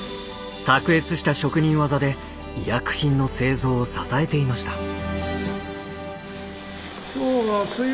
卓越した職人技で医薬品の製造を支えていました。